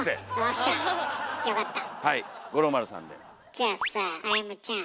じゃあさ歩ちゃん。